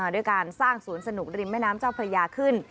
ด้วยการสร้างสวนสนุกริมแม่น้ำเจ้าพระยาขึ้น